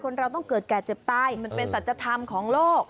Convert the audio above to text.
เราต้องเกิดแก่เจ็บตายมันเป็นสัจธรรมของโลก